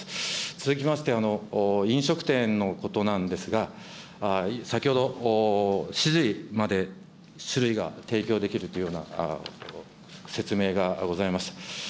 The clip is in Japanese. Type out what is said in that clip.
続きまして、飲食店のことなんですが、先ほど、７時まで酒類が提供できるというような説明がございました。